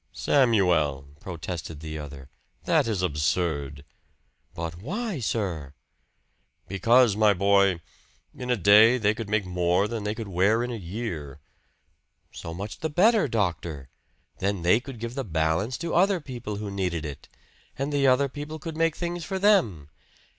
"Samuel!" protested the other. "That is absurd!" "But why, sir?" "Because, my boy in a day they could make more than they could wear in a year." "So much the better, doctor! Then they could give the balance to other people who needed it and the other people could make things for them.